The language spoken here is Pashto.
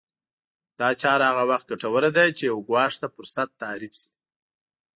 دا چاره هغه وخت ګټوره ده چې يو ګواښ ته فرصت تعريف شي.